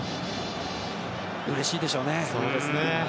うれしいでしょうね。